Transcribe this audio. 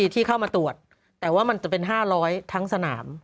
ที่เข้ามาตรวจแต่ว่ามันจะเป็น๕๐๐ทั้งสนาม